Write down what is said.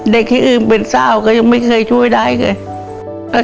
เด็กที่อื่นเป็นสาวก็ยังไม่เคยช่วยได้เลย